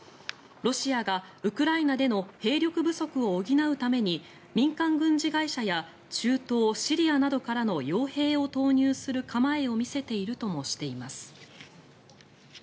ロシアがウクライナでの兵力不足を補うために民間軍事会社や中東シリアなどからの傭兵を投入する構えを見せているともしています。